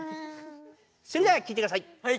それではきいてください。